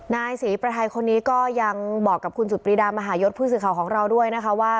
นายศรีประไทยคนนี้ก็ยังบอกกับคุณสุดปรีดามหายศผู้สื่อข่าวของเราด้วยนะคะว่า